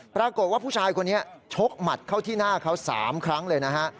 ปรากฏว่าผู้ชายคนนี้ชกหมัดเข้าที่หน้าเขา๓ครั้งเลยนะฮะ